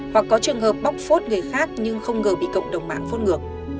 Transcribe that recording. hoặc có trường hợp bóc phốt người khác nhưng không ngờ bị cộng đồng mạng phốt ngược